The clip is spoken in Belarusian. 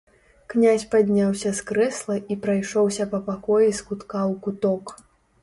Князь падняўся з крэсла і прайшоўся па пакоі з кутка ў куток.